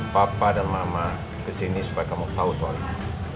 papa dan mama kesini supaya kamu tau soal ini